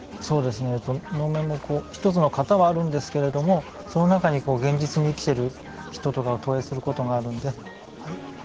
そうですね能面も一つの型はあるんですけれどもその中に現実に生きている人とかを投影することがあるんで。